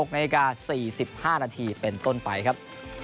๖นาฬิกา๔๕นาทีเป็นต้นไปครับ